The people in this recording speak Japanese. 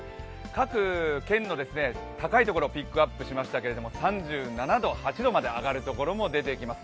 各県の高いところをピックアップしましたけど３７度、３８度まで上がるところも出てきます。